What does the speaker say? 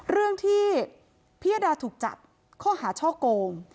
เรื่องที่พิยดาถูกจับข้อหาช่อโกง